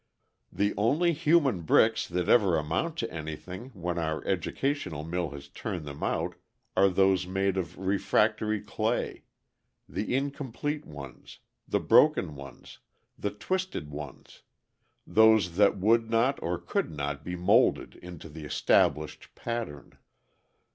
The only human bricks that ever amount to anything when our educational mill has turned them out are those made of refractory clay, the incomplete ones, the broken ones, the twisted ones, those that would not or could not be moulded into the established pattern.